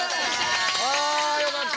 あよかった。